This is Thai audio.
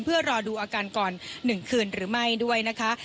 เพื่อรอดูอาการก่อน๑คืนหรือไม่ด้วยนะคะ